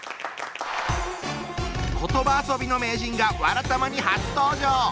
言葉遊びの名人が「わらたま」に初登場！